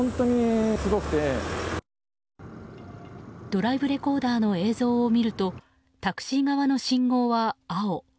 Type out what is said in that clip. ドライブレコーダーの映像を見るとタクシー側の信号は青。